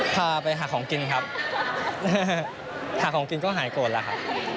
พาไปหาของกินครับหาของกินก็หายโกรธแล้วครับ